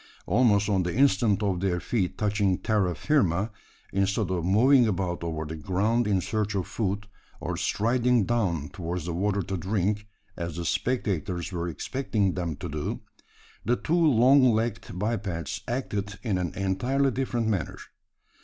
Almost on the instant of their feet touching terra firma, instead of moving about over the ground in search of food, or striding down towards the water to drink as the spectators were expecting them to do the two long legged bipeds acted in an entirely different manner.